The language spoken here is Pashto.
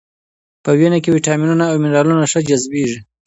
په وینه کې ویټامینونه او منرالونه ښه جذبېږي.